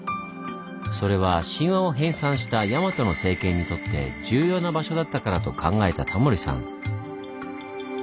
それは神話を編纂した大和の政権にとって重要な場所だったからと考えたタモリさん。